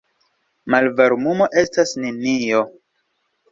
Malvarmumo estas nenio.